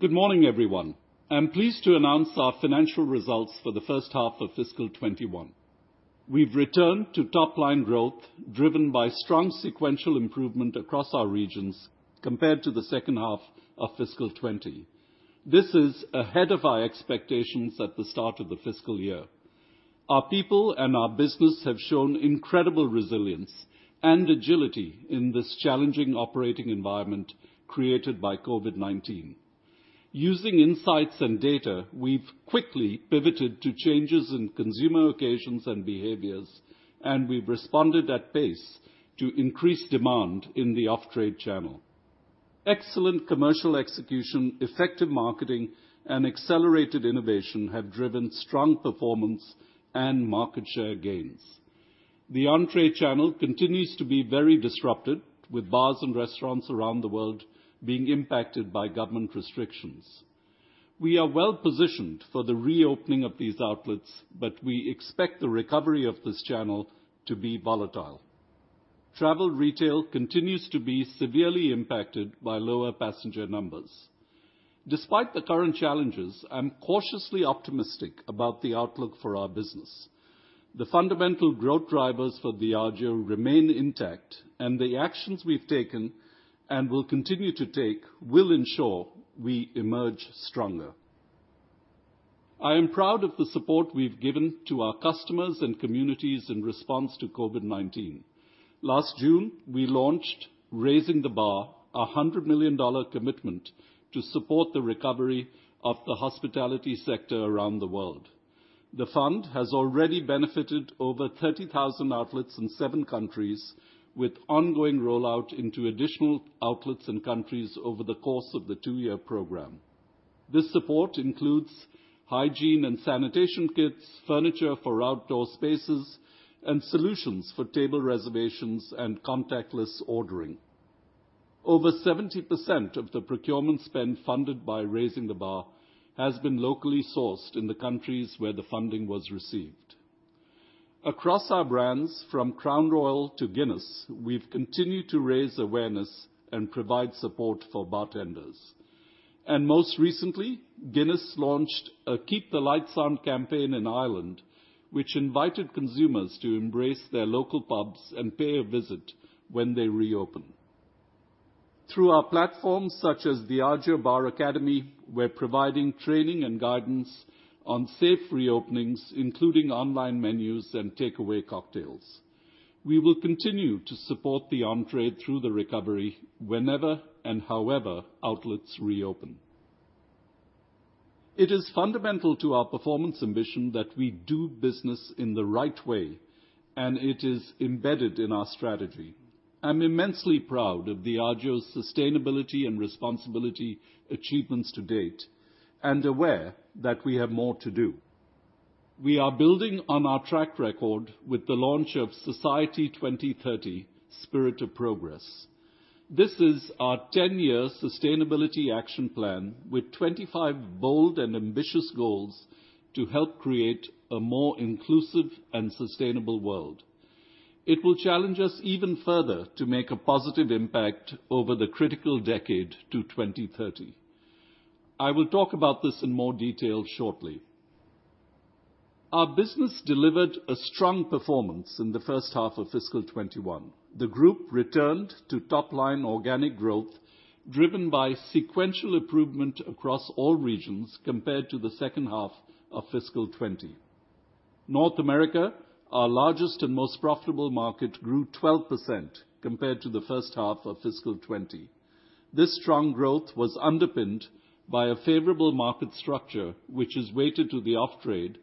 Good morning, everyone. I'm pleased to announce our financial results for the first half of fiscal 2021. We've returned to top-line growth driven by strong sequential improvement across our regions compared to the second half of fiscal 2020. This is ahead of our expectations at the start of the fiscal year. Our people and our business have shown incredible resilience and agility in this challenging operating environment created by COVID-19. Using insights and data, we've quickly pivoted to changes in consumer occasions and behaviors, and we've responded at pace to increase demand in the off-trade channel. Excellent commercial execution, effective marketing, and accelerated innovation have driven strong performance and market share gains. The on-trade channel continues to be very disrupted, with bars and restaurants around the world being impacted by government restrictions. We are well positioned for the reopening of these outlets. We expect the recovery of this channel to be volatile. Travel retail continues to be severely impacted by lower passenger numbers. Despite the current challenges, I'm cautiously optimistic about the outlook for our business. The fundamental growth drivers for Diageo remain intact, and the actions we've taken and will continue to take will ensure we emerge stronger. I am proud of the support we've given to our customers and communities in response to COVID-19. Last June, we launched Raising the Bar, a $100 million commitment to support the recovery of the hospitality sector around the world. The fund has already benefited over 30,000 outlets in seven countries, with ongoing rollout into additional outlets and countries over the course of the two year program. This support includes hygiene and sanitation kits, furniture for outdoor spaces, and solutions for table reservations and contactless ordering. Over 70% of the procurement spend funded by Raising the Bar has been locally sourced in the countries where the funding was received. Across our brands, from Crown Royal to Guinness, we've continued to raise awareness and provide support for bartenders. Most recently, Guinness launched a Keep the Lights On campaign in Ireland, which invited consumers to embrace their local pubs and pay a visit when they reopen. Through our platforms such as Diageo Bar Academy, we're providing training and guidance on safe reopenings, including online menus and takeaway cocktails. We will continue to support the on-trade through the recovery whenever and however outlets reopen. It is fundamental to our performance ambition that we do business in the right way, and it is embedded in our strategy. I'm immensely proud of Diageo's sustainability and responsibility achievements to date and aware that we have more to do. We are building on our track record with the launch of Society 2030: Spirit of Progress. This is our 10-year sustainability action plan with 25 bold and ambitious goals to help create a more inclusive and sustainable world. It will challenge us even further to make a positive impact over the critical decade to 2030. I will talk about this in more detail shortly. Our business delivered a strong performance in the first half of fiscal 2021. The group returned to top-line organic growth driven by sequential improvement across all regions compared to the second half of fiscal 2020. North America, our largest and most profitable market, grew 12% compared to the first half of fiscal 2020. This strong growth was underpinned by a favorable market structure, which is weighted to the off-trade,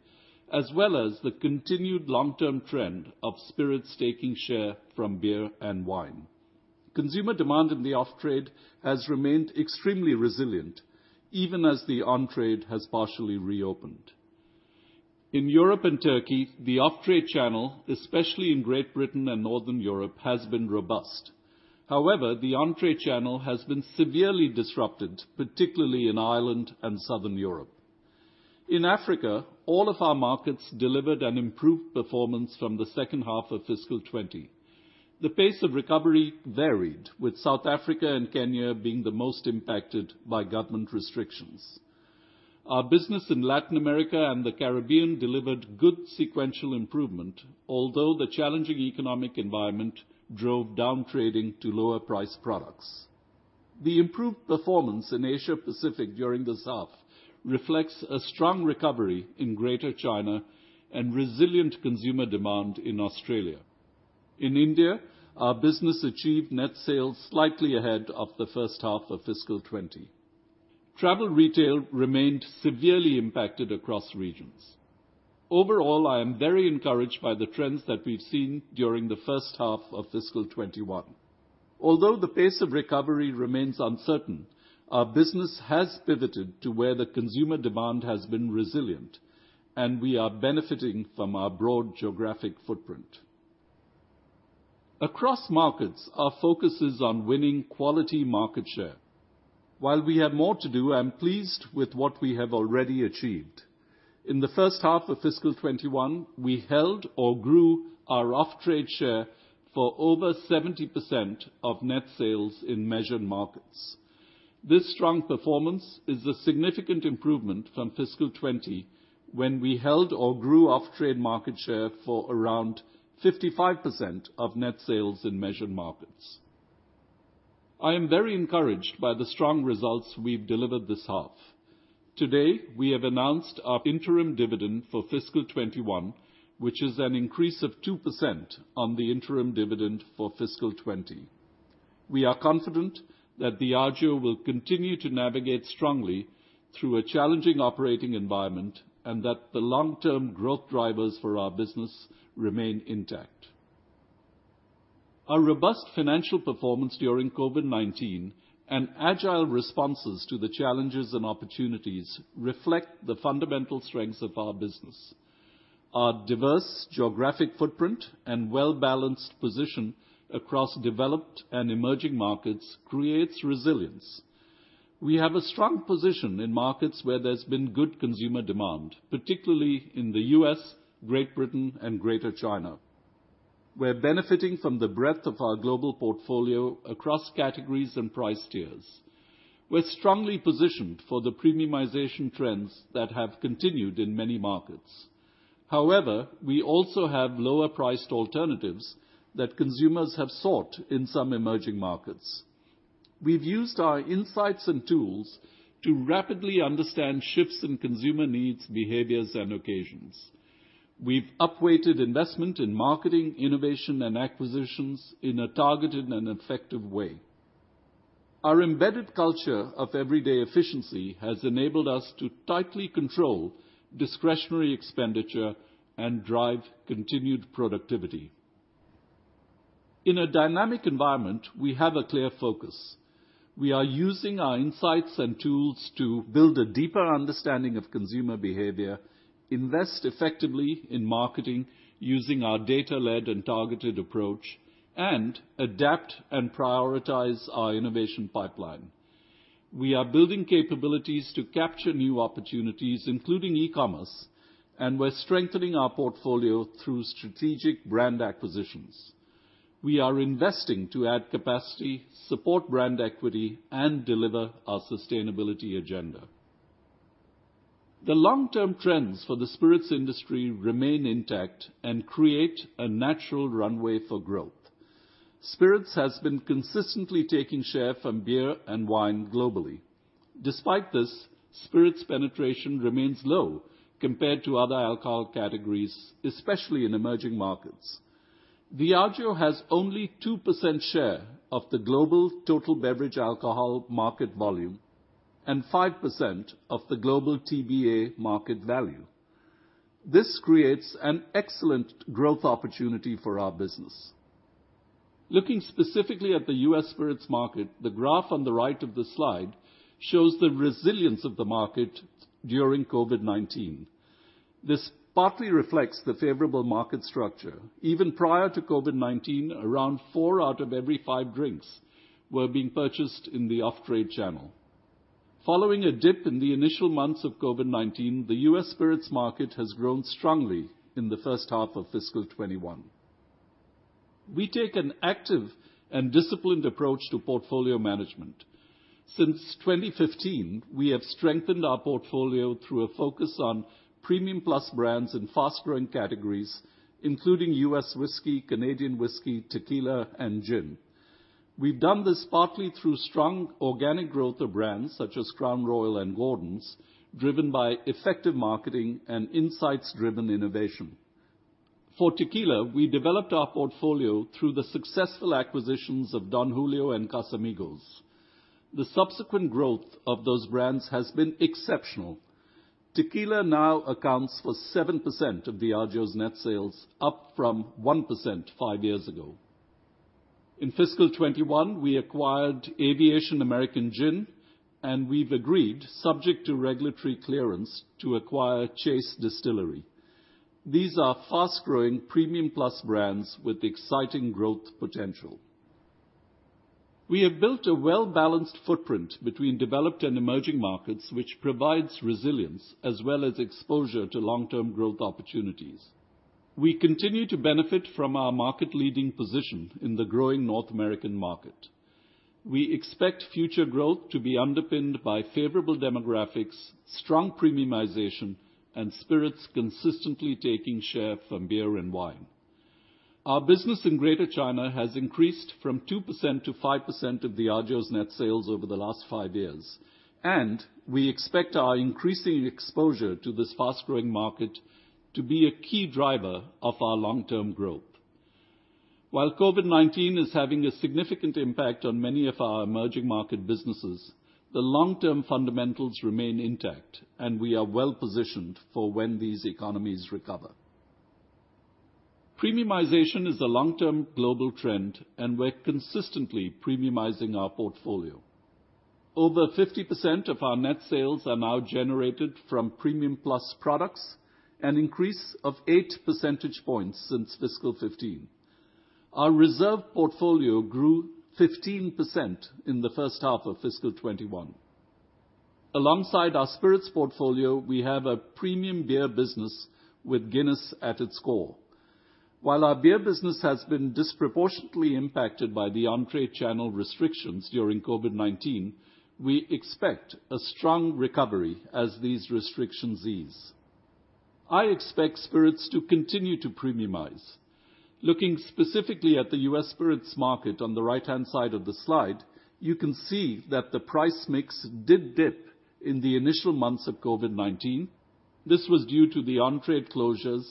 as well as the continued long-term trend of spirits taking share from beer and wine. Consumer demand in the off-trade has remained extremely resilient, even as the on-trade has partially reopened. In Europe and Turkey, the off-trade channel, especially in Great Britain and Northern Europe, has been robust. However, the on-trade channel has been severely disrupted, particularly in Ireland and Southern Europe. In Africa, all of our markets delivered an improved performance from the second half of fiscal 2020. The pace of recovery varied, with South Africa and Kenya being the most impacted by government restrictions. Our business in Latin America and the Caribbean delivered good sequential improvement, although the challenging economic environment drove down trading to lower priced products. The improved performance in Asia Pacific during this half reflects a strong recovery in Greater China and resilient consumer demand in Australia. In India, our business achieved net sales slightly ahead of the first half of fiscal 2020. Travel retail remained severely impacted across regions. Overall, I am very encouraged by the trends that we've seen during the first half of fiscal 2021. Although the pace of recovery remains uncertain, our business has pivoted to where the consumer demand has been resilient, and we are benefiting from our broad geographic footprint. Across markets, our focus is on winning quality market share. While we have more to do, I'm pleased with what we have already achieved. In the first half of fiscal 2021, we held or grew our off-trade share for over 70% of net sales in measured markets. This strong performance is a significant improvement from fiscal 2020, when we held or grew off-trade market share for around 55% of net sales in measured markets. I am very encouraged by the strong results we've delivered this half. Today, we have announced our interim dividend for fiscal 2021, which is an increase of 2% on the interim dividend for fiscal 2020. We are confident that Diageo will continue to navigate strongly through a challenging operating environment, and that the long-term growth drivers for our business remain intact. Our robust financial performance during COVID-19 and agile responses to the challenges and opportunities reflect the fundamental strengths of our business. Our diverse geographic footprint and well-balanced position across developed and emerging markets creates resilience. We have a strong position in markets where there's been good consumer demand, particularly in the U.S., Great Britain, and Greater China. We're benefiting from the breadth of our global portfolio across categories and price tiers. We're strongly positioned for the premiumisation trends that have continued in many markets. We also have lower priced alternatives that consumers have sought in some emerging markets. We've used our insights and tools to rapidly understand shifts in consumer needs, behaviors, and occasions. We've up-weighted investment in marketing, innovation, and acquisitions in a targeted and effective way. Our embedded culture of everyday efficiency has enabled us to tightly control discretionary expenditure and drive continued productivity. In a dynamic environment, we have a clear focus. We are using our insights and tools to build a deeper understanding of consumer behavior, invest effectively in marketing using our data-led and targeted approach, and adapt and prioritize our innovation pipeline. We are building capabilities to capture new opportunities, including e-commerce, and we're strengthening our portfolio through strategic brand acquisitions. We are investing to add capacity, support brand equity, and deliver our sustainability agenda. The long-term trends for the spirits industry remain intact and create a natural runway for growth. Spirits has been consistently taking share from beer and wine globally. Despite this, spirits penetration remains low compared to other alcohol categories, especially in emerging markets. Diageo has only 2% share of the global total beverage alcohol market volume, and 5% of the global TBA market value. This creates an excellent growth opportunity for our business. Looking specifically at the U.S. Spirits Market, the graph on the right of the slide shows the resilience of the market during COVID-19. This partly reflects the favorable market structure. Even prior to COVID-19, around four out of every five drinks were being purchased in the off-trade channel. Following a dip in the initial months of COVID-19, the U.S. Spirits Market has grown strongly in the first half of fiscal 2021. We take an active and disciplined approach to portfolio management. Since 2015, we have strengthened our portfolio through a focus on premium plus brands in fast-growing categories, including U.S. whiskey, Canadian whiskey, tequila, and gin. We've done this partly through strong organic growth of brands such as Crown Royal and Gordon's, driven by effective marketing and insights-driven innovation. For tequila, we developed our portfolio through the successful acquisitions of Don Julio and Casamigos. The subsequent growth of those brands has been exceptional. Tequila now accounts for 7% of Diageo's net sales, up from 1% five years ago. In fiscal 2021, we acquired Aviation American Gin, and we've agreed, subject to regulatory clearance, to acquire Chase Distillery. These are fast-growing premium plus brands with exciting growth potential. We have built a well-balanced footprint between developed and emerging markets, which provides resilience as well as exposure to long-term growth opportunities. We continue to benefit from our market leading position in the growing North American market. We expect future growth to be underpinned by favorable demographics, strong premiumization, and spirits consistently taking share from beer and wine. Our business in Greater China has increased from 2%-5% of Diageo's net sales over the last five years, and we expect our increasing exposure to this fast-growing market to be a key driver of our long-term growth. While COVID-19 is having a significant impact on many of our emerging market businesses, the long-term fundamentals remain intact, and we are well positioned for when these economies recover. Premiumization is a long-term global trend, and we're consistently premiumizing our portfolio. Over 50% of our net sales are now generated from premium plus products, an increase of 8 percentage points since fiscal 2015. Our Reserve portfolio grew 15% in the first half of fiscal 2021. Alongside our Spirits portfolio, we have a premium beer business with Guinness at its core. While our beer business has been disproportionately impacted by the on-trade channel restrictions during COVID-19, we expect a strong recovery as these restrictions ease. I expect Spirits to continue to premiumize. Looking specifically at the U.S. Spirits Market, on the right-hand side of the slide, you can see that the price mix did dip in the initial months of COVID-19. This was due to the on-trade closures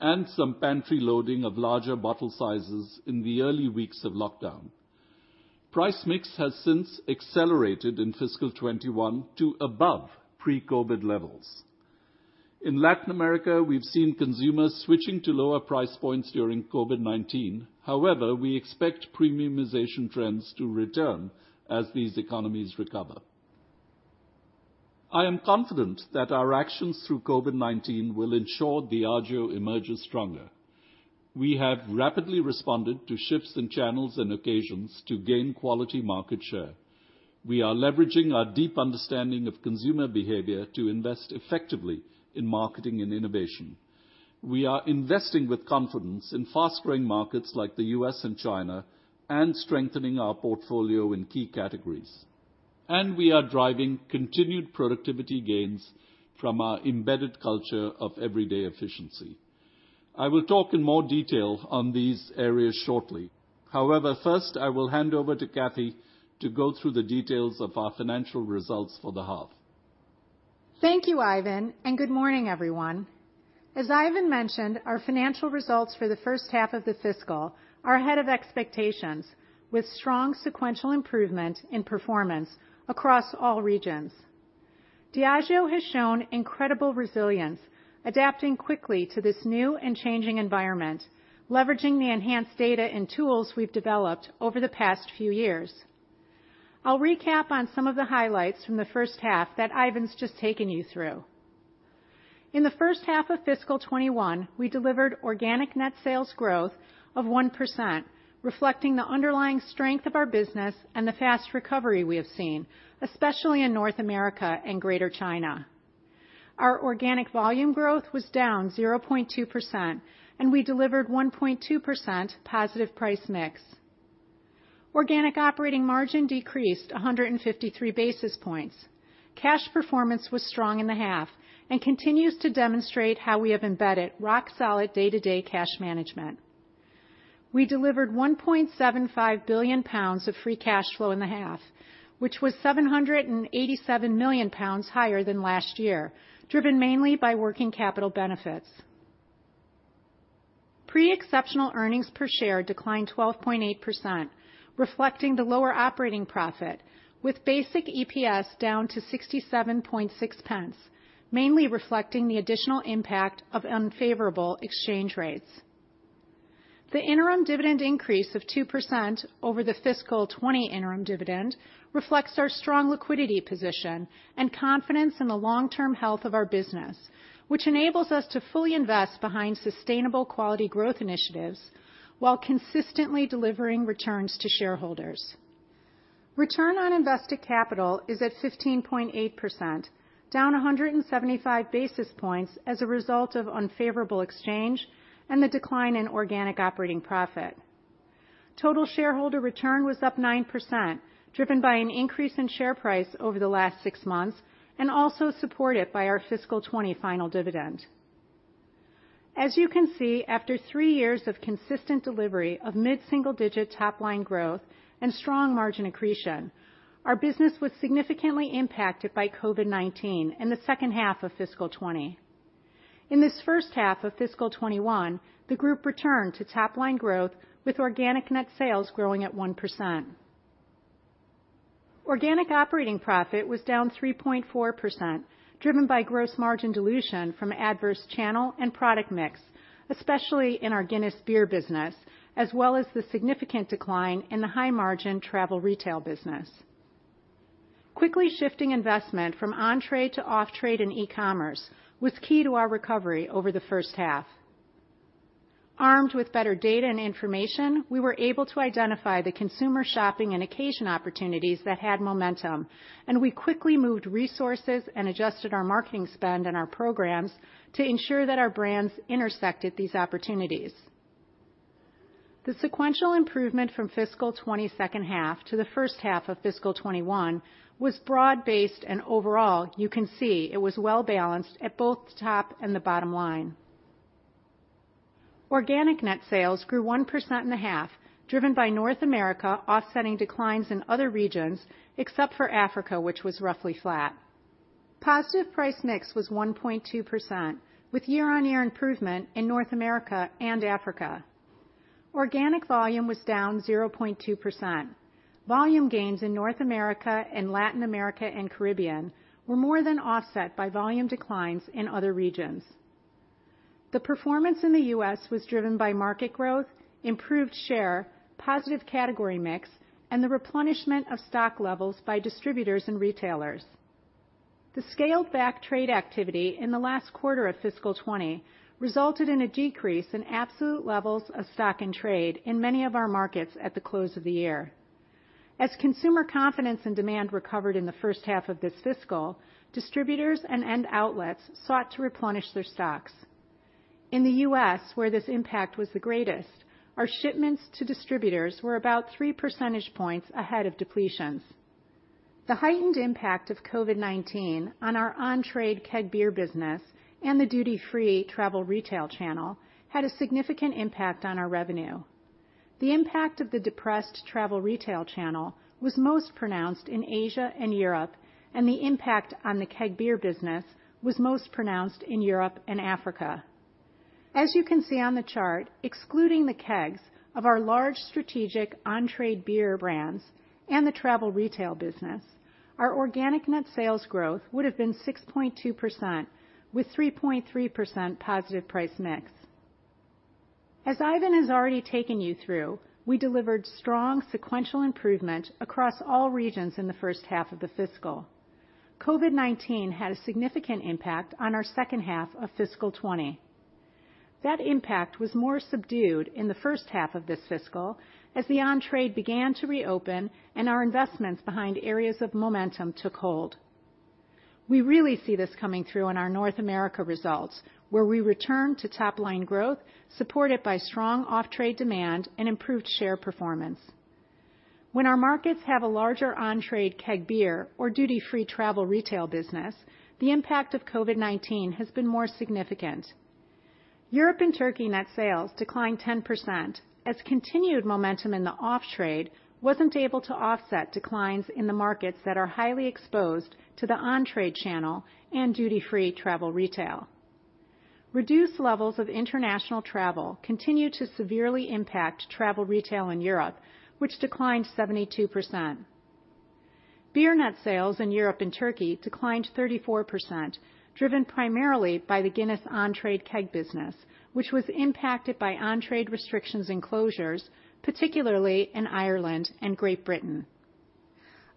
and some pantry loading of larger bottle sizes in the early weeks of lockdown. Price mix has since accelerated in fiscal 2021 to above pre-COVID levels. In Latin America, we've seen consumers switching to lower price points during COVID-19. However, we expect premiumization trends to return as these economies recover. I am confident that our actions through COVID-19 will ensure Diageo emerges stronger. We have rapidly responded to shifts in channels and occasions to gain quality market share. We are leveraging our deep understanding of consumer behavior to invest effectively in marketing and innovation. We are investing with confidence in fast-growing markets like the U.S. and China, strengthening our portfolio in key categories. We are driving continued productivity gains from our embedded culture of everyday efficiency. I will talk in more detail on these areas shortly. However, first, I will hand over to Kathy to go through the details of our financial results for the half. Thank you, Ivan, and good morning, everyone. As Ivan mentioned, our financial results for the first half of the fiscal are ahead of expectations, with strong sequential improvement in performance across all regions. Diageo has shown incredible resilience, adapting quickly to this new and changing environment, leveraging the enhanced data and tools we've developed over the past few years. I'll recap on some of the highlights from the first half that Ivan's just taken you through. In the first half of fiscal 2021, we delivered organic net sales growth of 1%, reflecting the underlying strength of our business and the fast recovery we have seen, especially in North America and Greater China. Our organic volume growth was down 0.2%, and we delivered 1.2% positive price mix. Organic operating margin decreased 153 basis points. Cash performance was strong in the half and continues to demonstrate how we have embedded rock-solid day-to-day cash management. We delivered 1.75 billion pounds of free cash flow in the half, which was 787 million pounds higher than last year, driven mainly by working capital benefits. Pre-exceptional earnings per share declined 12.8%, reflecting the lower operating profit, with basic EPS down to 0.676, mainly reflecting the additional impact of unfavorable exchange rates. The interim dividend increase of 2% over the fiscal 2020 interim dividend reflects our strong liquidity position and confidence in the long-term health of our business, which enables us to fully invest behind sustainable quality growth initiatives while consistently delivering returns to shareholders. Return on invested capital is at 15.8%, down 175 basis points as a result of unfavorable exchange and the decline in organic operating profit. Total shareholder return was up 9%, driven by an increase in share price over the last six months and also supported by our fiscal 2020 final dividend. As you can see, after three years of consistent delivery of mid-single digit top-line growth and strong margin accretion, our business was significantly impacted by COVID-19 in the second half of fiscal 2020. In this first half of fiscal 2021, the group returned to top-line growth with organic net sales growing at 1%. Organic operating profit was down 3.4%, driven by gross margin dilution from adverse channel and product mix, especially in our Guinness beer business, as well as the significant decline in the high-margin travel retail business. Quickly shifting investment from on-trade to off-trade and e-commerce was key to our recovery over the first half. Armed with better data and information, we were able to identify the consumer shopping and occasion opportunities that had momentum, and we quickly moved resources and adjusted our marketing spend and our programs to ensure that our brands intersected these opportunities. The sequential improvement from fiscal 2020 second half to the first half of fiscal 2021 was broad-based, and overall, you can see it was well-balanced at both the top and the bottom line. Organic net sales grew 1% in a half, driven by North America offsetting declines in other regions, except for Africa, which was roughly flat. Positive price mix was 1.2%, with year-on-year improvement in North America and Africa. Organic volume was down 0.2%. Volume gains in North America and Latin America and Caribbean were more than offset by volume declines in other regions. The performance in the U.S. was driven by market growth, improved share, positive category mix, and the replenishment of stock levels by distributors and retailers. The scaled-back trade activity in the last quarter of fiscal 2020 resulted in a decrease in absolute levels of stock and trade in many of our markets at the close of the year. As consumer confidence and demand recovered in the first half of this fiscal, distributors and end outlets sought to replenish their stocks. In the U.S., where this impact was the greatest, our shipments to distributors were about three percentage points ahead of depletions. The heightened impact of COVID-19 on our on-trade keg beer business and the duty-free travel retail channel had a significant impact on our revenue. The impact of the depressed travel retail channel was most pronounced in Asia and Europe, and the impact on the keg beer business was most pronounced in Europe and Africa. As you can see on the chart, excluding the kegs of our large strategic on-trade beer brands and the travel retail business, our organic net sales growth would've been 6.2% with 3.3% positive price mix. As Ivan has already taken you through, we delivered strong sequential improvement across all regions in the first half of the fiscal. COVID-19 had a significant impact on our second half of fiscal 2020. That impact was more subdued in the first half of this fiscal, as the on-trade began to reopen and our investments behind areas of momentum took hold. We really see this coming through in our North America results, where we return to top-line growth supported by strong off-trade demand and improved share performance. When our markets have a larger on-trade keg beer or duty-free travel retail business, the impact of COVID-19 has been more significant. Europe and Turkey net sales declined 10% as continued momentum in the off-trade wasn't able to offset declines in the markets that are highly exposed to the on-trade channel and duty-free travel retail. Reduced levels of international travel continue to severely impact travel retail in Europe, which declined 72%. Beer net sales in Europe and Turkey declined 34%, driven primarily by the Guinness on-trade keg business, which was impacted by on-trade restrictions and closures, particularly in Ireland and Great Britain.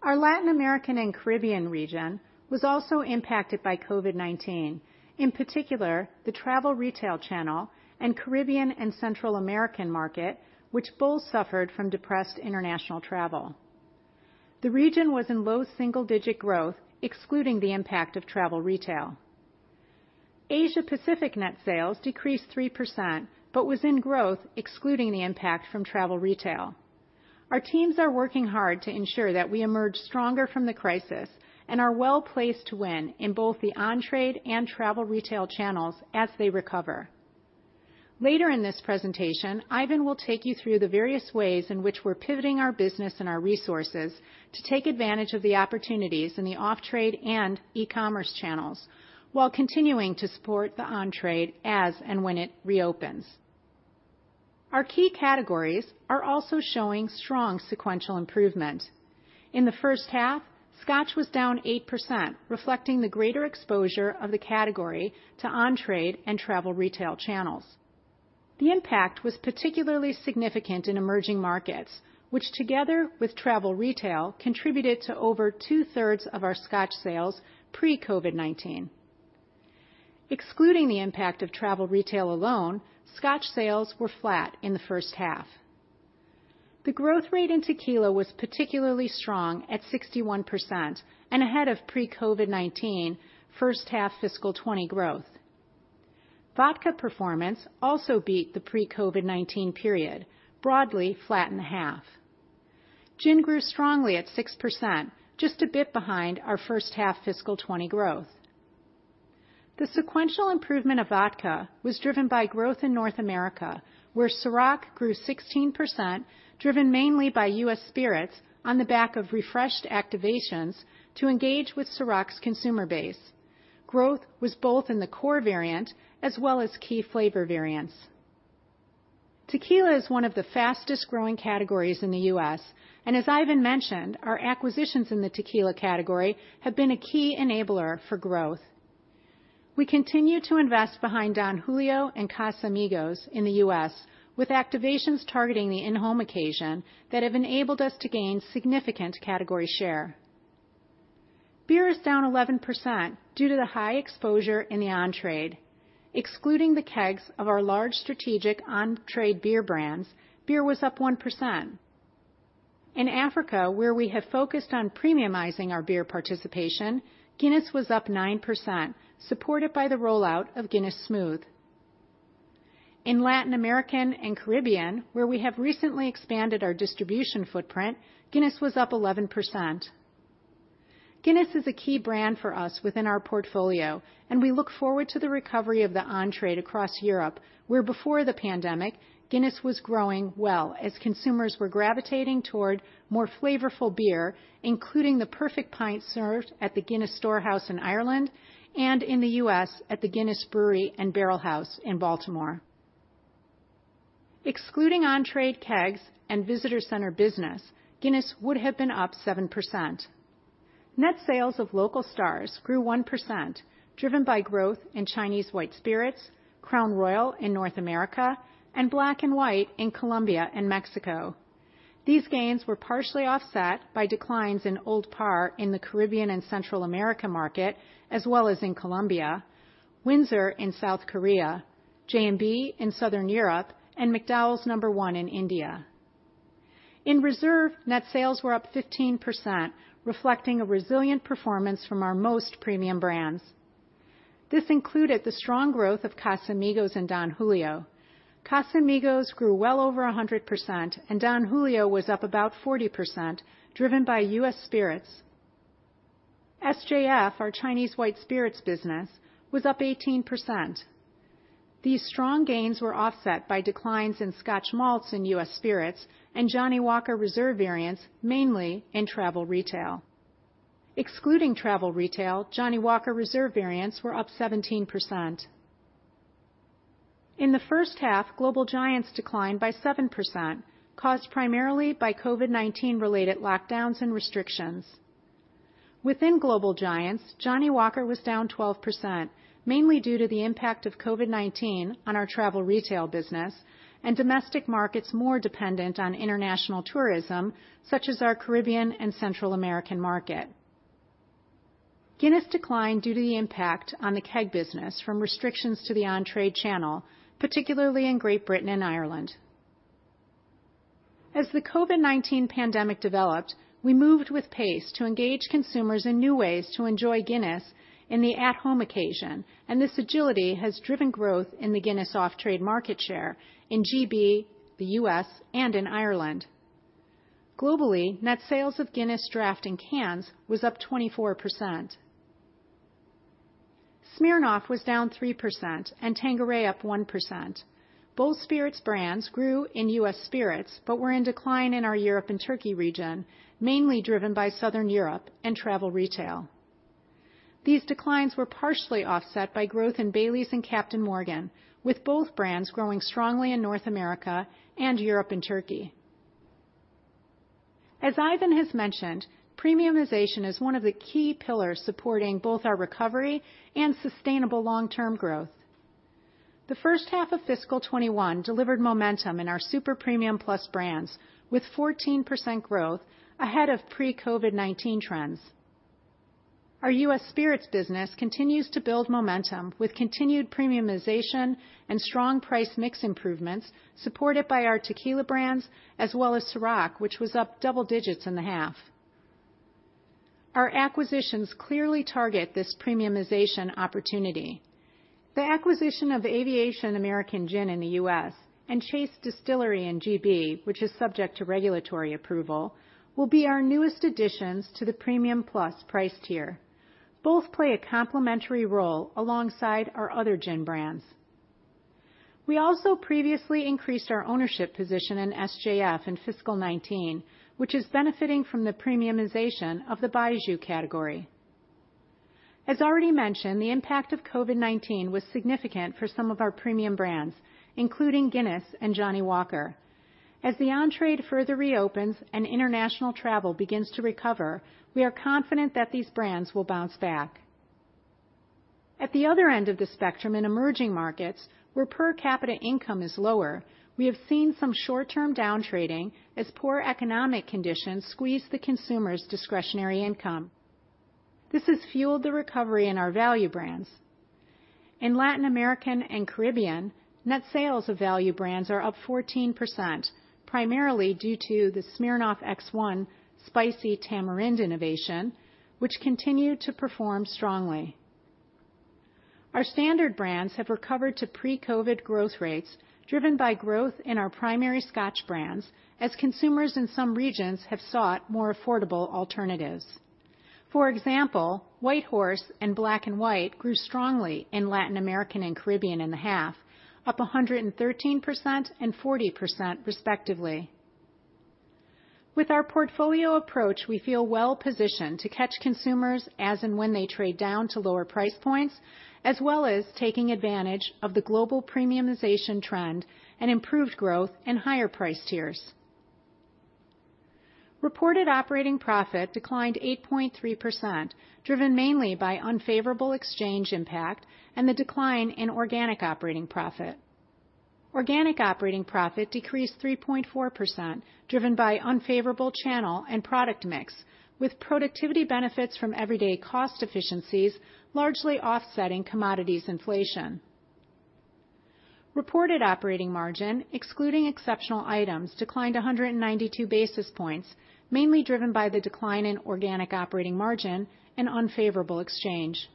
Our Latin American and Caribbean region was also impacted by COVID-19, in particular, the travel retail channel and Caribbean and Central American market, which both suffered from depressed international travel. The region was in low single-digit growth, excluding the impact of travel retail. Asia Pacific net sales decreased 3% but was in growth excluding the impact from travel retail. Our teams are working hard to ensure that we emerge stronger from the crisis and are well placed to win in both the on-trade and travel retail channels as they recover. Later in this presentation, Ivan will take you through the various ways in which we're pivoting our business and our resources to take advantage of the opportunities in the off-trade and e-commerce channels while continuing to support the on-trade as and when it reopens. Our key categories are also showing strong sequential improvement. In the first half, Scotch was down 8%, reflecting the greater exposure of the category to on-trade and travel retail channels. The impact was particularly significant in emerging markets, which together with travel retail, contributed to over two-thirds of our Scotch sales pre-COVID-19. Excluding the impact of travel retail alone, Scotch sales were flat in the first half. The growth rate in tequila was particularly strong at 61% and ahead of pre-COVID-19 first half fiscal 2020 growth. Vodka performance also beat the pre-COVID-19 period, broadly flat in half. Gin grew strongly at 6%, just a bit behind our first-half fiscal 2020 growth. The sequential improvement of vodka was driven by growth in North America, where CÎROC grew 16%, driven mainly by U.S. Spirits on the back of refreshed activations to engage with CÎROC's consumer base. Growth was both in the core variant as well as key flavor variants. Tequila is one of the fastest-growing categories in the U.S., and as Ivan mentioned, our acquisitions in the tequila category have been a key enabler for growth. We continue to invest behind Don Julio and Casamigos in the U.S., with activations targeting the in-home occasion that have enabled us to gain significant category share. Beer is down 11% due to the high exposure in the on-trade. Excluding the kegs of our large strategic on-trade beer brands, beer was up 1%. In Africa, where we have focused on premiumizing our beer participation, Guinness was up 9%, supported by the rollout of Guinness Smooth. In Latin American and Caribbean, where we have recently expanded our distribution footprint, Guinness was up 11%. Guinness is a key brand for us within our portfolio, and we look forward to the recovery of the on-trade across Europe, where before the pandemic, Guinness was growing well as consumers were gravitating toward more flavorful beer, including the perfect pint served at the Guinness Storehouse in Ireland and in the U.S. at the Guinness Brewery and Barrel House in Baltimore. Excluding on-trade kegs and visitor center business, Guinness would have been up 7%. Net sales of Local Stars grew 1%, driven by growth in Chinese white spirits, Crown Royal in North America, and Black & White in Colombia and Mexico. These gains were partially offset by declines in Old Parr in the Caribbean and Central America market, as well as in Colombia, Windsor in South Korea. J&B in Southern Europe, and McDowell's No1 in India. In Reserve, net sales were up 15%, reflecting a resilient performance from our most premium brands. This included the strong growth of Casamigos and Don Julio. Casamigos grew well over 100%, and Don Julio was up about 40%, driven by U.S. Spirits. SJF, our Chinese white spirits business, was up 18%. These strong gains were offset by declines in Scotch malts in U.S. Spirits and Johnnie Walker Reserve variants, mainly in travel retail. Excluding travel retail, Johnnie Walker Reserve variants were up 17%. In the first half, Global Giants declined by 7%, caused primarily by COVID-19 related lockdowns and restrictions. Within Global Giants, Johnnie Walker was down 12%, mainly due to the impact of COVID-19 on our travel retail business and domestic markets more dependent on international tourism, such as our Caribbean and Central American market. Guinness declined due to the impact on the keg business from restrictions to the on-trade channel, particularly in Great Britain and Ireland. As the COVID-19 pandemic developed, we moved with pace to engage consumers in new ways to enjoy Guinness in the at-home occasion, and this agility has driven growth in the Guinness off-trade market share in GB, the U.S., and in Ireland. Globally, net sales of Guinness Draught in cans was up 24%. Smirnoff was down 3% and Tanqueray up 1%. Both spirits brands grew in U.S. Spirits, but were in decline in our Europe and Turkey region, mainly driven by Southern Europe and travel retail. These declines were partially offset by growth in Baileys and Captain Morgan, with both brands growing strongly in North America and Europe and Turkey. As Ivan has mentioned, premiumization is one of the key pillars supporting both our recovery and sustainable long-term growth. The first half of fiscal 2021 delivered momentum in our super-premium plus brands with 14% growth ahead of pre-COVID-19 trends. Our U.S. Spirits business continues to build momentum with continued premiumization and strong price mix improvements supported by our tequila brands as well as CÎROC, which was up double digits in the half. Our acquisitions clearly target this premiumization opportunity. The acquisition of Aviation American Gin in the U.S. and Chase Distillery in G.B., which is subject to regulatory approval, will be our newest additions to the premium-plus price tier. Both play a complementary role alongside our other gin brands. We also previously increased our ownership position in SJF in fiscal 2019, which is benefiting from the premiumization of the baijiu category. As already mentioned, the impact of COVID-19 was significant for some of our premium brands, including Guinness and Johnnie Walker. As the on-trade further reopens and international travel begins to recover, we are confident that these brands will bounce back. At the other end of the spectrum in emerging markets, where per capita income is lower, we have seen some short-term downtrading as poor economic conditions squeeze the consumer's discretionary income. This has fueled the recovery in our value brands. In Latin America and Caribbean, net sales of value brands are up 14%, primarily due to the Smirnoff X1 Spicy Tamarind innovation, which continued to perform strongly. Our standard brands have recovered to pre-COVID-19 growth rates, driven by growth in our primary Scotch brands as consumers in some regions have sought more affordable alternatives. For example, White Horse and Black & White grew strongly in Latin America and Caribbean in the half, up 113% and 40% respectively. With our portfolio approach, we feel well positioned to catch consumers as and when they trade down to lower price points, as well as taking advantage of the global premiumization trend and improved growth in higher price tiers. Reported operating profit declined 8.3%, driven mainly by unfavorable exchange impact and the decline in organic operating profit. Organic operating profit decreased 3.4%, driven by unfavorable channel and product mix, with productivity benefits from everyday cost efficiencies largely offsetting commodities inflation. Reported operating margin, excluding exceptional items, declined 192 basis points, mainly driven by the decline in organic operating margin and unfavorable exchange.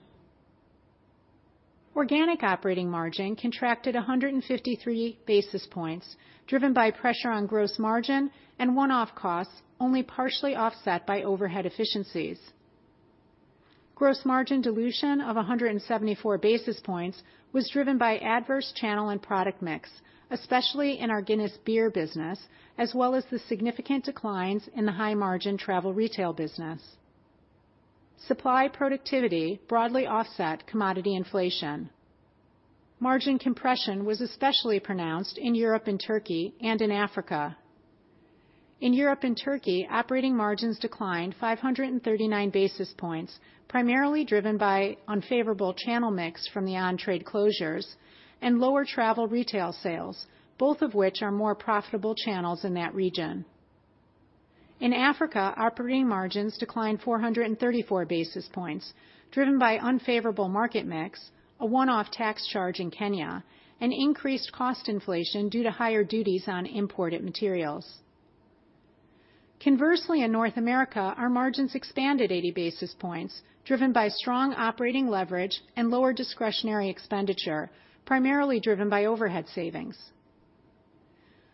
Organic operating margin contracted 153 basis points, driven by pressure on gross margin and one-off costs, only partially offset by overhead efficiencies. Gross margin dilution of 174 basis points was driven by adverse channel and product mix, especially in our Guinness beer business, as well as the significant declines in the high margin travel retail business. Supply productivity broadly offset commodity inflation. Margin compression was especially pronounced in Europe and Turkey and in Africa. In Europe and Turkey, operating margins declined 539 basis points, primarily driven by unfavorable channel mix from the on-trade closures and lower travel retail sales, both of which are more profitable channels in that region. In Africa, operating margins declined 434 basis points, driven by unfavorable market mix, a one-off tax charge in Kenya, and increased cost inflation due to higher duties on imported materials. Conversely, in North America, our margins expanded 80 basis points, driven by strong operating leverage and lower discretionary expenditure, primarily driven by overhead savings.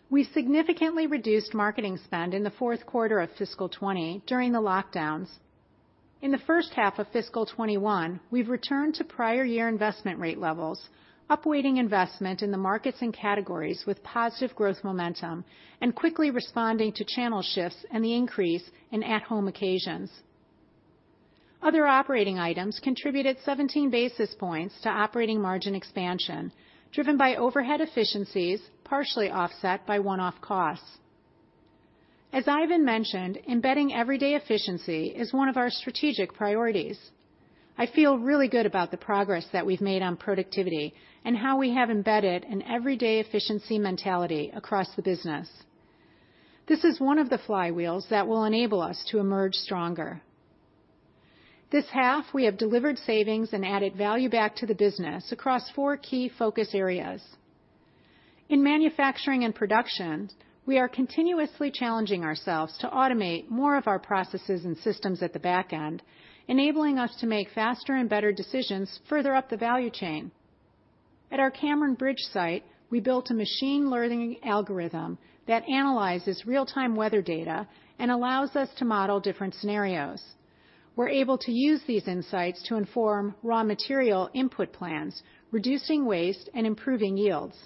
We significantly reduced marketing spend in the fourth quarter of fiscal 2020 during the lockdowns. In the first half of fiscal 2021, we've returned to prior year investment rate levels, upweighting investment in the markets and categories with positive growth momentum, and quickly responding to channel shifts and the increase in at home occasions. Other operating items contributed 17 basis points to operating margin expansion, driven by overhead efficiencies, partially offset by one-off costs. As Ivan mentioned, embedding everyday efficiency is one of our strategic priorities. I feel really good about the progress that we've made on productivity and how we have embedded an everyday efficiency mentality across the business. This is one of the flywheels that will enable us to emerge stronger. This half, we have delivered savings and added value back to the business across four key focus areas. In manufacturing and production, we are continuously challenging ourselves to automate more of our processes and systems at the back end, enabling us to make faster and better decisions further up the value chain. At our Cameronbridge site, we built a machine learning algorithm that analyzes real-time weather data and allows us to model different scenarios. We're able to use these insights to inform raw material input plans, reducing waste and improving yields.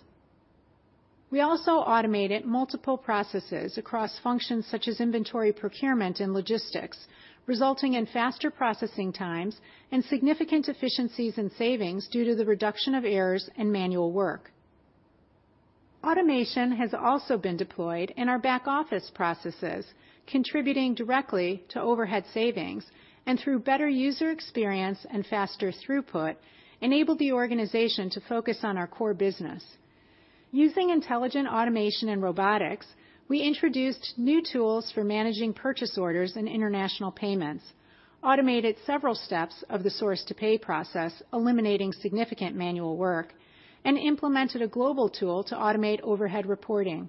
We also automated multiple processes across functions such as inventory procurement and logistics, resulting in faster processing times and significant efficiencies and savings due to the reduction of errors and manual work. Automation has also been deployed in our back-office processes, contributing directly to overhead savings, and through better user experience and faster throughput, enabled the organization to focus on our core business. Using intelligent automation and robotics, we introduced new tools for managing purchase orders and international payments, automated several steps of the source-to-pay process, eliminating significant manual work, and implemented a global tool to automate overhead reporting.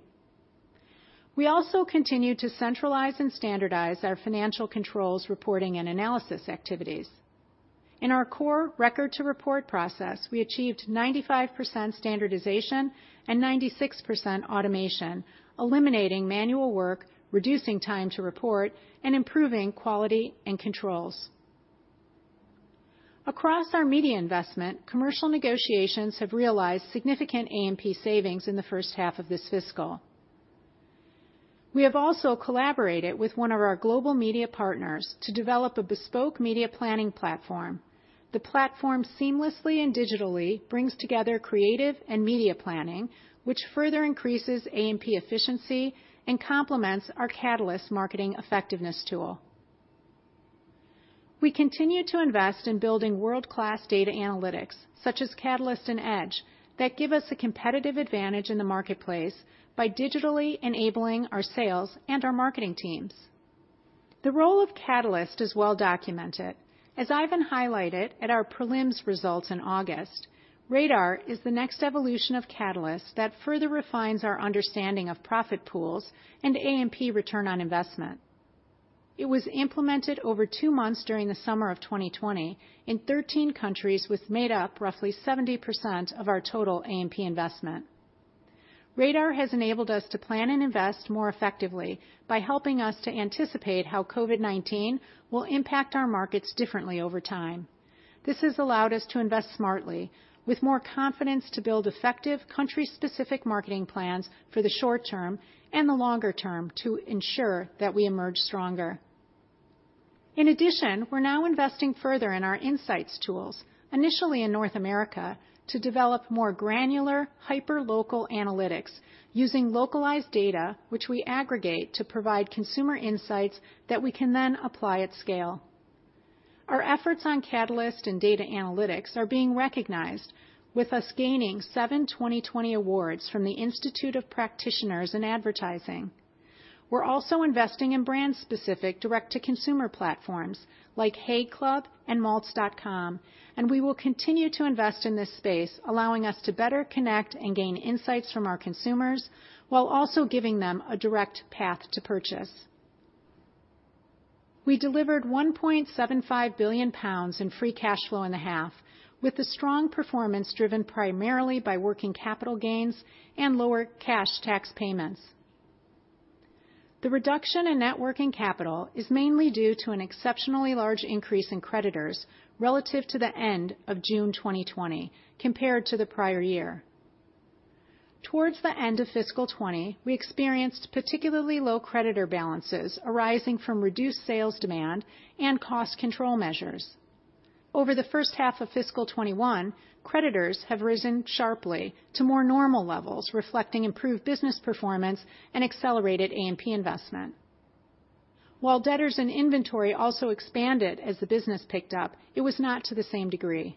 We also continued to centralize and standardize our financial controls reporting and analysis activities. In our core record to report process, we achieved 95% standardization and 96% automation, eliminating manual work, reducing time to report, and improving quality and controls. Across our media investment, commercial negotiations have realized significant A&P savings in the first half of this fiscal. We have also collaborated with one of our global media partners to develop a bespoke media planning platform. The platform seamlessly and digitally brings together creative and media planning, which further increases A&P efficiency and complements our Catalyst marketing effectiveness tool. We continue to invest in building world-class data analytics, such as Catalyst and EDGE, that give us a competitive advantage in the marketplace by digitally enabling our sales and our marketing teams. The role of Catalyst is well documented. As Ivan highlighted at our prelims results in August, Radar is the next evolution of Catalyst that further refines our understanding of profit pools and A&P return on investment. It was implemented over two months during the summer of 2020 in 13 countries, which made up roughly 70% of our total A&P investment. Radar has enabled us to plan and invest more effectively by helping us to anticipate how COVID-19 will impact our markets differently over time. This has allowed us to invest smartly with more confidence to build effective country-specific marketing plans for the short term and the longer term to ensure that we emerge stronger. In addition, we're now investing further in our insights tools, initially in North America, to develop more granular, hyperlocal analytics using localized data, which we aggregate to provide consumer insights that we can then apply at scale. Our efforts on Catalyst and data analytics are being recognized, with us gaining seven 2020 awards from the Institute of Practitioners in Advertising. We're also investing in brand-specific direct-to-consumer platforms like Haig Club and Malts.com, and we will continue to invest in this space, allowing us to better connect and gain insights from our consumers, while also giving them a direct path to purchase. We delivered 1.75 billion pounds in free cash flow in the half, with the strong performance driven primarily by working capital gains and lower cash tax payments. The reduction in net working capital is mainly due to an exceptionally large increase in creditors relative to the end of June 2020 compared to the prior year. Towards the end of fiscal 2020, we experienced particularly low creditor balances arising from reduced sales demand and cost control measures. Over the first half of fiscal 2021, creditors have risen sharply to more normal levels, reflecting improved business performance and accelerated A&P investment. While debtors and inventory also expanded as the business picked up, it was not to the same degree.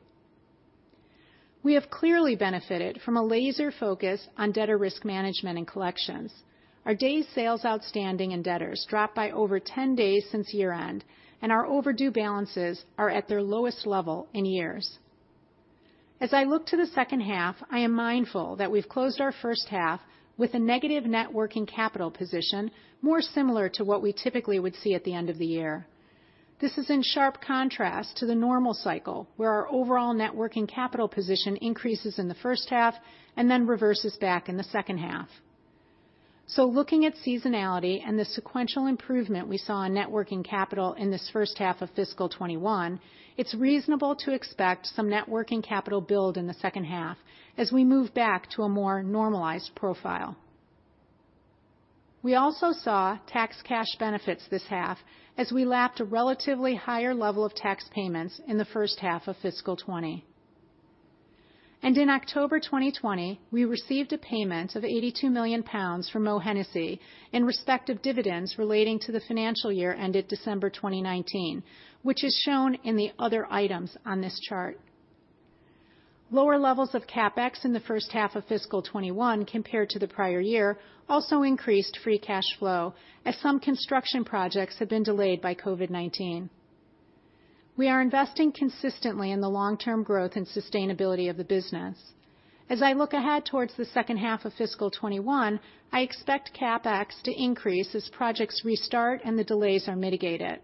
We have clearly benefited from a laser focus on debtor risk management and collections. Our days sales outstanding and debtors dropped by over 10 days since year-end, and our overdue balances are at their lowest level in years. As I look to the second half, I am mindful that we've closed our first half with a negative net working capital position, more similar to what we typically would see at the end of the year. This is in sharp contrast to the normal cycle, where our overall net working capital position increases in the first half and then reverses back in the second half. Looking at seasonality and the sequential improvement we saw in net working capital in this first half of fiscal 2021, it's reasonable to expect some net working capital build in the second half as we move back to a more normalized profile. We also saw tax cash benefits this half as we lapped a relatively higher level of tax payments in the first half of fiscal 2020. In October 2020, we received a payment of 82 million pounds from Moët Hennessy in respect of dividends relating to the financial year ended December 2019, which is shown in the other items on this chart. Lower levels of CapEx in the first half of fiscal 2021 compared to the prior year also increased free cash flow as some construction projects have been delayed by COVID-19. We are investing consistently in the long-term growth and sustainability of the business. As I look ahead towards the second half of fiscal 2021, I expect CapEx to increase as projects restart and the delays are mitigated.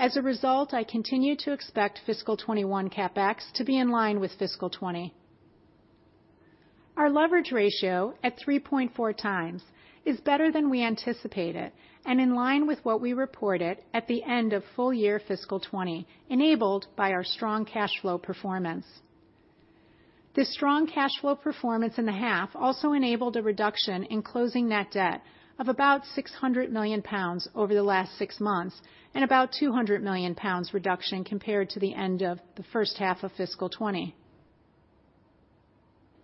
As a result, I continue to expect fiscal 2021 CapEx to be in line with fiscal 2020. Our leverage ratio at 3.4 times is better than we anticipated and in line with what we reported at the end of full year fiscal 2020, enabled by our strong cash flow performance. This strong cash flow performance in the half also enabled a reduction in closing net debt of about 600 million pounds over the last six months and about 200 million pounds reduction compared to the end of the first half of fiscal 2020.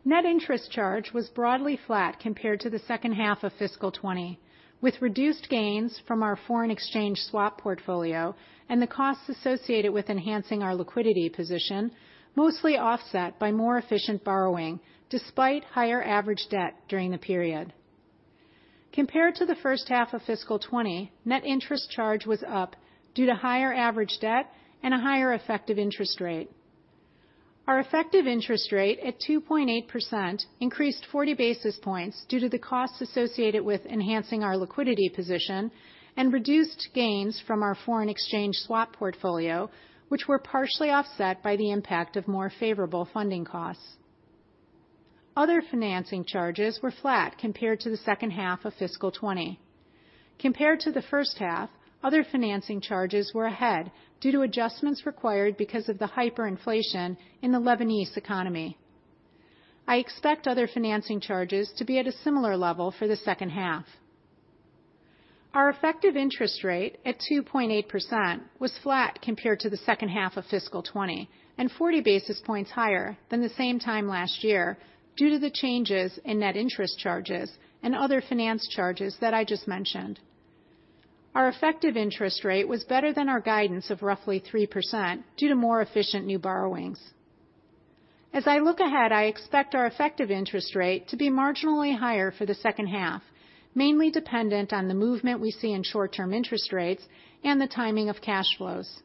Net interest charge was broadly flat compared to the second half of fiscal 2020, with reduced gains from our foreign exchange swap portfolio and the costs associated with enhancing our liquidity position, mostly offset by more efficient borrowing, despite higher average debt during the period. Compared to the first half of fiscal 2020, net interest charge was up due to higher average debt and a higher effective interest rate. Our effective interest rate at 2.8% increased 40 basis points due to the costs associated with enhancing our liquidity position and reduced gains from our foreign exchange swap portfolio, which were partially offset by the impact of more favorable funding costs. Other financing charges were flat compared to the second half of fiscal 2020. Compared to the first half, other financing charges were ahead due to adjustments required because of the hyperinflation in the Lebanese economy. I expect other financing charges to be at a similar level for the second half. Our effective interest rate at 2.8% was flat compared to the second half of fiscal 2020 and 40 basis points higher than the same time last year due to the changes in net interest charges and other finance charges that I just mentioned. Our effective interest rate was better than our guidance of roughly 3% due to more efficient new borrowings. As I look ahead, I expect our effective interest rate to be marginally higher for the second half, mainly dependent on the movement we see in short-term interest rates and the timing of cash flows.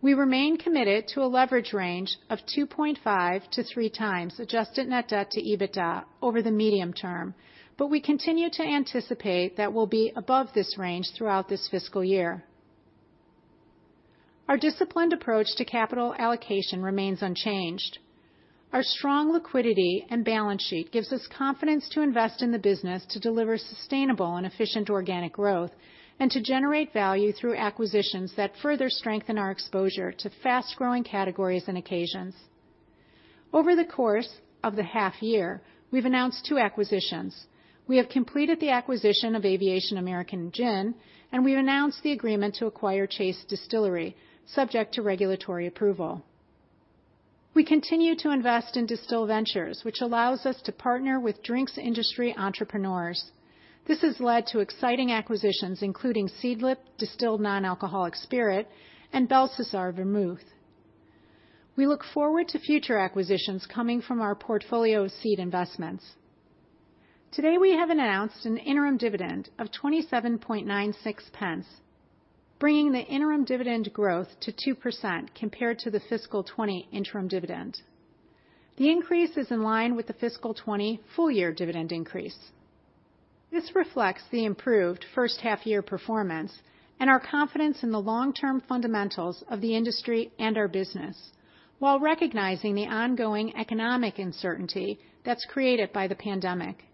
We remain committed to a leverage range of 2.5-3x adjusted net debt to EBITDA over the medium term, but we continue to anticipate that we'll be above this range throughout this fiscal year. Our disciplined approach to capital allocation remains unchanged. Our strong liquidity and balance sheet gives us confidence to invest in the business to deliver sustainable and efficient organic growth and to generate value through acquisitions that further strengthen our exposure to fast-growing categories and occasions. Over the course of the half year, we've announced two acquisitions. We have completed the acquisition of Aviation American Gin. We've announced the agreement to acquire Chase Distillery, subject to regulatory approval. We continue to invest in Distill Ventures, which allows us to partner with drinks industry entrepreneurs. This has led to exciting acquisitions including Seedlip distilled non-alcoholic spirit and Belsazar Vermouth. We look forward to future acquisitions coming from our portfolio of seed investments. Today, we have announced an interim dividend of 0.2796, bringing the interim dividend growth to 2% compared to the fiscal 2020 interim dividend. The increase is in line with the fiscal 2020 full year dividend increase. This reflects the improved first half year performance and our confidence in the long-term fundamentals of the industry and our business, while recognizing the ongoing economic uncertainty that's created by the pandemic.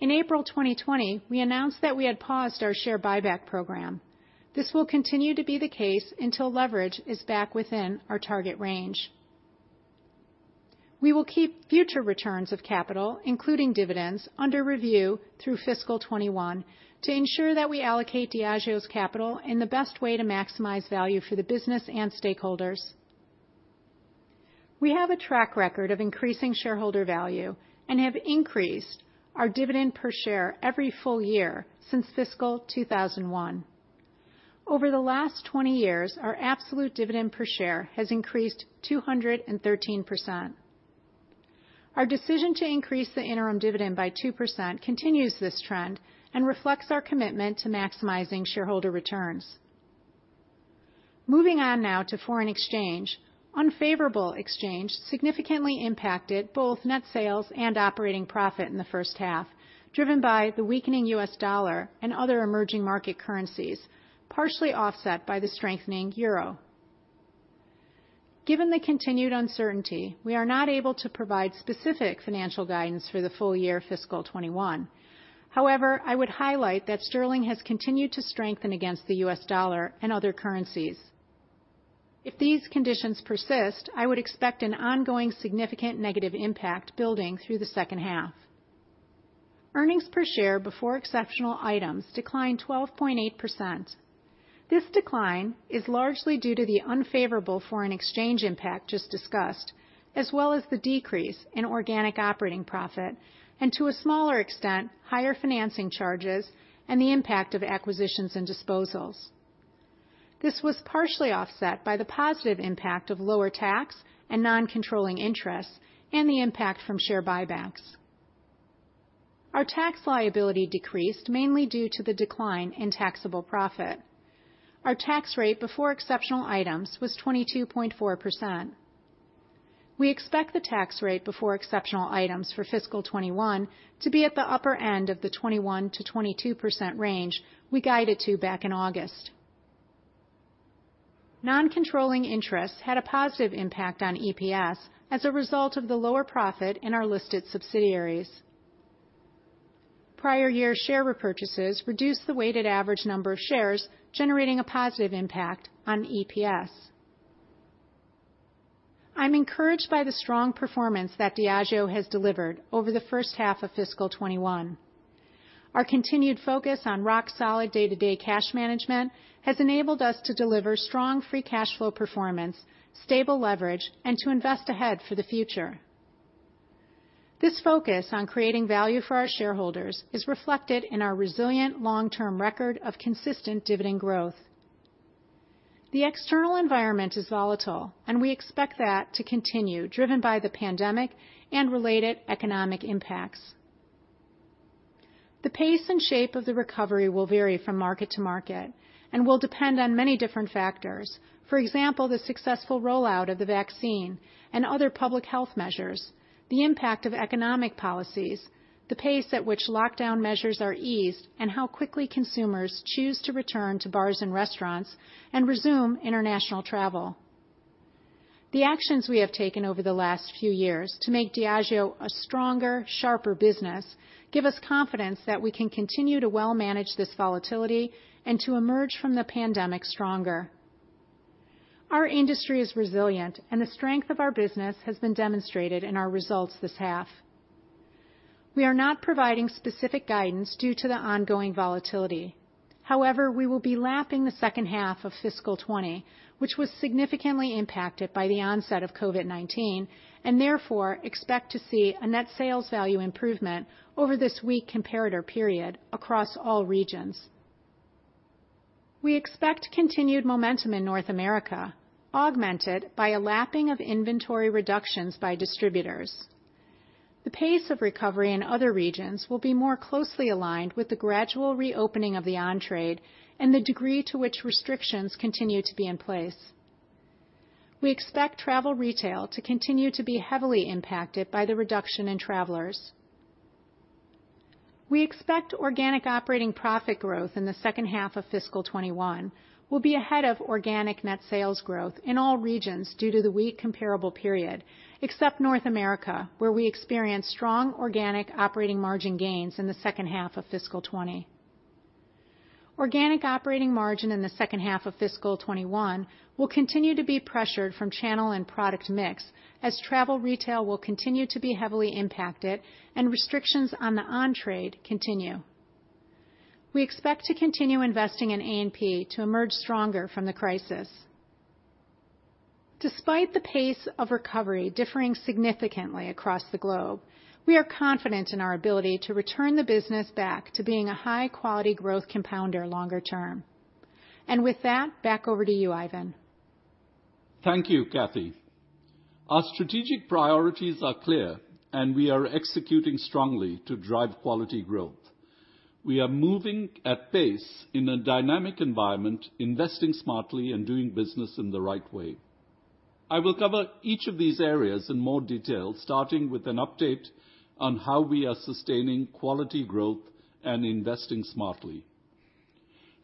In April 2020, we announced that we had paused our share buyback program. This will continue to be the case until leverage is back within our target range. We will keep future returns of capital, including dividends, under review through fiscal 2021 to ensure that we allocate Diageo's capital in the best way to maximize value for the business and stakeholders. We have a track record of increasing shareholder value and have increased our dividend per share every full year since fiscal 2001. Over the last 20 years, our absolute dividend per share has increased 213%. Our decision to increase the interim dividend by 2% continues this trend and reflects our commitment to maximizing shareholder returns. Moving on now to foreign exchange. Unfavorable exchange significantly impacted both net sales and operating profit in the first half, driven by the weakening US dollar and other emerging market currencies, partially offset by the strengthening euro. Given the continued uncertainty, we are not able to provide specific financial guidance for the full year fiscal 2021. I would highlight that sterling has continued to strengthen against the US dollar and other currencies. If these conditions persist, I would expect an ongoing significant negative impact building through the second half. Earnings per share before exceptional items declined 12.8%. This decline is largely due to the unfavorable foreign exchange impact just discussed, as well as the decrease in organic operating profit, and to a smaller extent, higher financing charges and the impact of acquisitions and disposals. This was partially offset by the positive impact of lower tax and non-controlling interests and the impact from share buybacks. Our tax liability decreased mainly due to the decline in taxable profit. Our tax rate before exceptional items was 22.4%. We expect the tax rate before exceptional items for fiscal 2021 to be at the upper end of the 21%-22% range we guided to back in August. Non-controlling interests had a positive impact on EPS as a result of the lower profit in our listed subsidiaries. Prior year share repurchases reduced the weighted average number of shares, generating a positive impact on EPS. I'm encouraged by the strong performance that Diageo has delivered over the first half of fiscal 2021. Our continued focus on rock-solid day-to-day cash management has enabled us to deliver strong free cash flow performance, stable leverage, and to invest ahead for the future. This focus on creating value for our shareholders is reflected in our resilient long-term record of consistent dividend growth. The external environment is volatile, and we expect that to continue, driven by the pandemic and related economic impacts. The pace and shape of the recovery will vary from market to market and will depend on many different factors. For example, the successful rollout of the vaccine and other public health measures, the impact of economic policies, the pace at which lockdown measures are eased, and how quickly consumers choose to return to bars and restaurants and resume international travel. The actions we have taken over the last few years to make Diageo a stronger, sharper business give us confidence that we can continue to well manage this volatility and to emerge from the pandemic stronger. Our industry is resilient, and the strength of our business has been demonstrated in our results this half. We are not providing specific guidance due to the ongoing volatility. However, we will be lapping the second half of fiscal 2020, which was significantly impacted by the onset of COVID-19, and therefore expect to see a net sales value improvement over this weak comparator period across all regions. We expect continued momentum in North America, augmented by a lapping of inventory reductions by distributors. The pace of recovery in other regions will be more closely aligned with the gradual reopening of the on-trade and the degree to which restrictions continue to be in place. We expect travel retail to continue to be heavily impacted by the reduction in travelers. We expect organic operating profit growth in the second half of fiscal 2021 will be ahead of organic net sales growth in all regions due to the weak comparable period, except North America, where we experienced strong organic operating margin gains in the second half of fiscal 2020. Organic operating margin in the second half of fiscal 2021 will continue to be pressured from channel and product mix, as travel retail will continue to be heavily impacted and restrictions on the on-trade continue. We expect to continue investing in A&P to emerge stronger from the crisis. Despite the pace of recovery differing significantly across the globe, we are confident in our ability to return the business back to being a high-quality growth compounder longer term. With that, back over to you, Ivan. Thank you, Kathy. Our strategic priorities are clear, and we are executing strongly to drive quality growth. We are moving at pace in a dynamic environment, investing smartly, and doing business in the right way. I will cover each of these areas in more detail, starting with an update on how we are sustaining quality growth and investing smartly.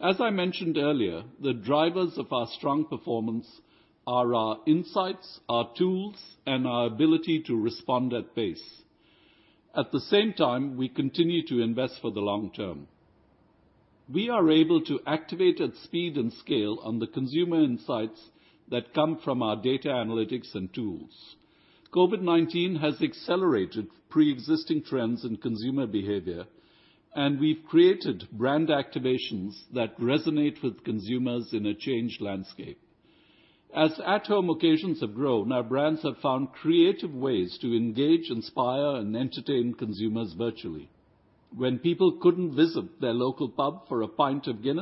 As I mentioned earlier, the drivers of our strong performance are our insights, our tools, and our ability to respond at pace. At the same time, we continue to invest for the long term. We are able to activate at speed and scale on the consumer insights that come from our data analytics and tools. COVID-19 has accelerated preexisting trends in consumer behavior, and we've created brand activations that resonate with consumers in a changed landscape. As at-home occasions have grown, our brands have found creative ways to engage, inspire, and entertain consumers virtually. When people couldn't visit their local pub for a pint of Guinness.